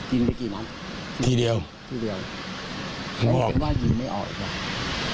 ยิงไปกี่นั้นที่เดียวที่เดียวว่าว่ายิงไม่ออกใช่ไหม